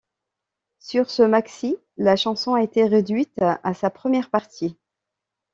Sur ce maxi, la chanson a été réduite à sa première partie.